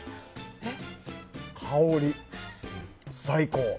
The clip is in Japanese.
香り最高！